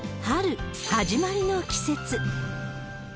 春、始まりの季節。